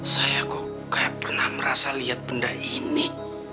saya kok pernah merasa lihat benda ini